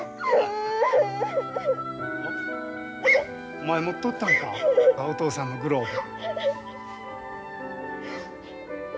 お前持っとったんかお父さんのグローブ。